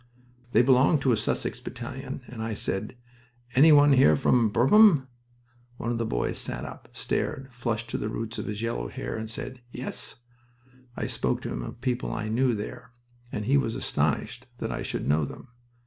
They belonged to a Sussex battalion, and I said, "Any one here from Burpham?" One of the boys sat up, stared, flushed to the roots of his yellow hair, and said, "Yes." I spoke to him of people I knew there, and he was astonished that I should know them.